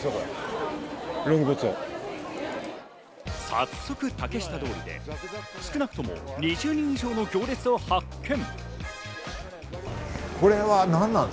早速、竹下通りで少なくとも２０人以上の行列を発見。